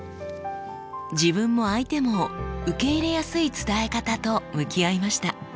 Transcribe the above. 自分も相手も受け入れやすい伝え方と向き合いました。